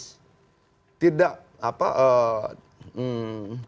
dan itu adalah hal yang harus diperhatikan